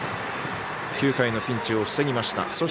９回のピンチを防ぎました。